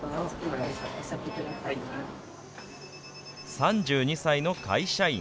３２歳の会社員。